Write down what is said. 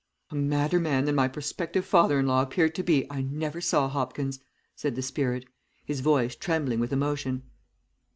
"A madder man than my prospective father in law appeared to be I never saw, Hopkins," said the spirit, his voice trembling with emotion.